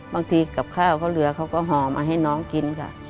กับข้าวเขาเหลือเขาก็ห่อมาให้น้องกินค่ะ